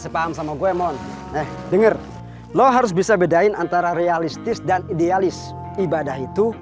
sepaham sama gue emang denger lo harus bisa bedain antara realistis dan idealis ibadah itu